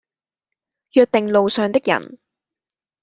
約定路上的人，